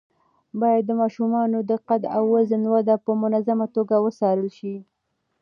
باید د ماشومانو د قد او وزن وده په منظمه توګه وڅارل شي.